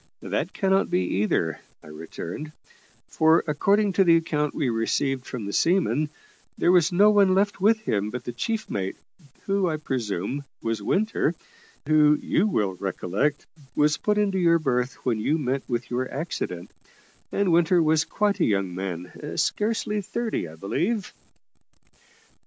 "That cannot be, either," I returned; "for according to the account we received from the seaman, there was no one left with him but the chief mate, who, I presume, was Winter who, you will recollect, was put into your berth when you met with your accident; and Winter was quite a young man scarcely thirty, I believe."